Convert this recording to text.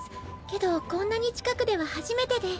けどこんなに近くでは初めてで。